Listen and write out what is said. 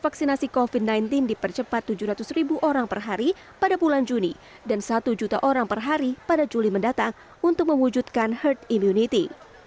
kewajaan itu mengatakan kajian yang sudah dilakukan oleh kementerian kesehatan memiliki peluang yang lebih dari seratus ribu orang per hari pada bulan juni dan satu juta orang per hari pada juli mendatang untuk mewujudkan herd immunity